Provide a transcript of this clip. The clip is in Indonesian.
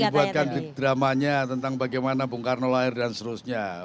dibuatkan di dramanya tentang bagaimana bung karno lahir dan seterusnya